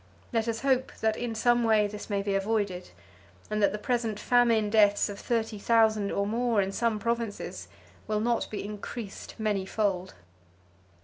Let us hope that in some way this may be avoided, and that the present famine deaths of thirty thousand or more in some provinces will not be increased many fold.